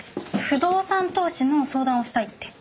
不動産投資の相談をしたいって。